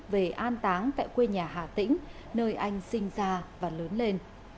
về an táng tại quê nhà hà tĩnh nơi anh sinh ra và lớn lên